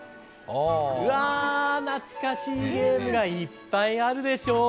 うわ、懐かしいゲームがいっぱいあるでしょう。